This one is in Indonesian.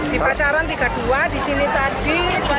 di pasaran tiga dua ratus di sini tadi dua tiga ratus